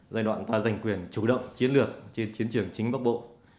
giai đoạn ta giành quyền chủ động chiến lược trên chiến trường chính bắc bộ